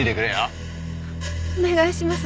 お願いします。